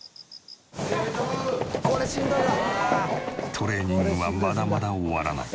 トレーニングはまだまだ終わらない。